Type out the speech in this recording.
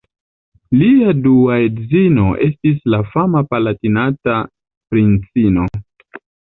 Lia dua edzino estis la fama Palatinata princino.